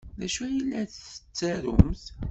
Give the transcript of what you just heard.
D acu ay la tettarumt?